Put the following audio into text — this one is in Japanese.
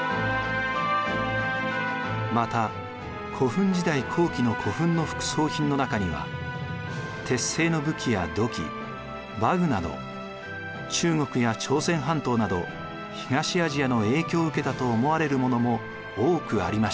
また古墳時代後期の古墳の副葬品の中には鉄製の武器や土器馬具など中国や朝鮮半島など東アジアの影響を受けたと思われるものも多くありました。